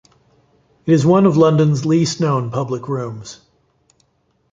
It is one of London's least known public rooms.